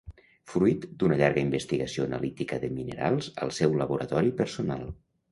Fruit d'una llarga investigació analítica de minerals al seu laboratori personal.